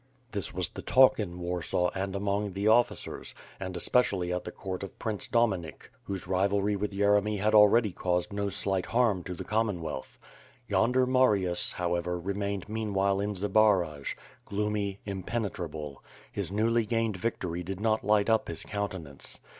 '* This was the talk in Warsaw and among the officers, anri especially at the court of Prince Dominik, whose rivalry with Yeremy had already caused no slight harm to the Common wealth. Yonder Marius, however, remained meanwhile in Zbaraj, gloomy, impenetrable; his newly gained victory did not light up his countenance.